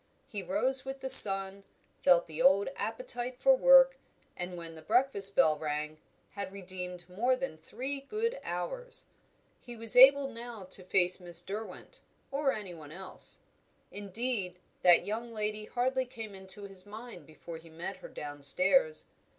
He rose with the sun, felt the old appetite for work, and when the breakfast bell rang had redeemed more than three good hours. He was able now to face Miss Derwent, or anyone else. Indeed, that young lady hardly came into his mind before he met her downstairs.